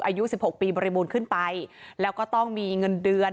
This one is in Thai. อายุ๑๖ปีบริมูลขึ้นไปแล้วก็ต้องมีเงินเดือน